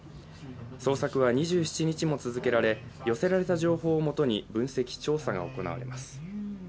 捜索は２７日も続けられた、寄せられた情報をもとに分析・調査が行われます。